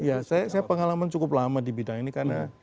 ya saya pengalaman cukup lama di bidang ini karena